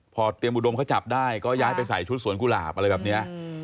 พอเตรียมอุดมเขาจับได้ก็ย้ายไปใส่ชุดสวนกุหลาบอะไรแบบนี้